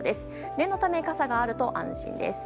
念のため、傘があると安心です。